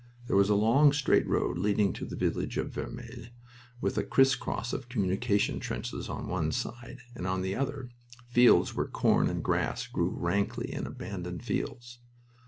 There was a long straight road leading to the village of Vermelles, with a crisscross of communication trenches on one side, and, on the other, fields where corn and grass grew rankly in abandoned fields.